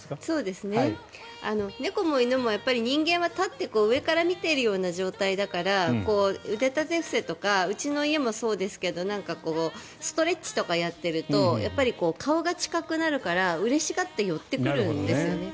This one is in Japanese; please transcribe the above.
猫も犬も人間は立って上から見ている状態だから腕立て伏せとかうちの家もそうですけどストレッチとかやっていると顔が近くなるから、うれしがって寄ってくるんですよね。